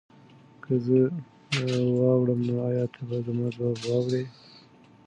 که زه واوړم نو ایا ته به زما ځواب واورې؟